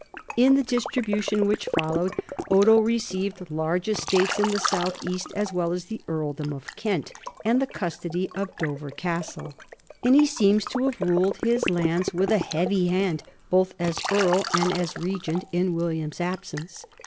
In the distribution which fol lowed, Odo received large estates in the southeast, as well as the earldom of Kent and the custody of Dover Castle, and he seems to have ruled his lands with a heavy hand both as earl and as regent in William's absence.